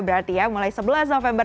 berarti ya mulai sebelas november